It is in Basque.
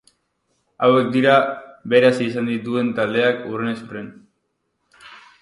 Hauek dira beraz izan dituen taldeak hurrenez hurren.